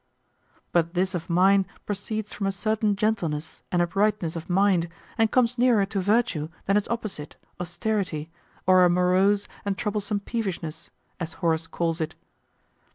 But this of mine proceeds from a certain gentleness and uprightness of mind and comes nearer to virtue than its opposite, austerity, or a morose and troublesome peevishness, as Horace calls it.